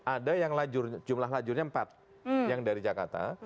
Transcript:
ada yang jumlah lajurnya empat yang dari jakarta